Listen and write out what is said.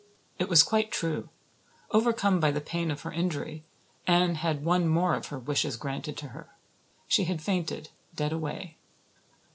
It was quite true. Overcome by the pain of her injury, Anne had one more of her wishes granted to her. She had fainted dead away.